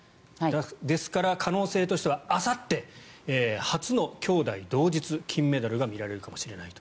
ですから、可能性としてはあさって初の兄妹同日金メダルが見られるかもしれないと。